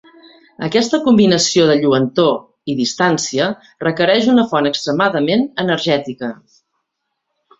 Aquesta combinació de lluentor i distància requereix una font extremadament energètica.